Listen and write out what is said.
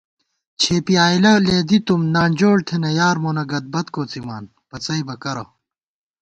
چھېپی آئیلہ لېدِتُم نانجوڑ تھنہ یار مونہ گدبت کوڅِمان پڅَئیبہ کرہ